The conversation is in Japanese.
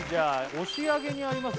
押上にあります